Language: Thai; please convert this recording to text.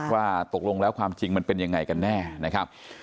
ว่าตกลงแล้วความจริงมันเป็นยังไงกันแน่นะครับ